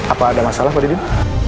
apa ada masalah pak didin